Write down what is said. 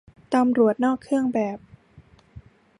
ตำรวจนอกเครื่องแบบ